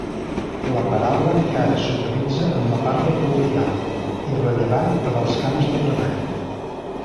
La paraula encara s'utilitza en la parla col·loquial, irrellevant per als camps de treball.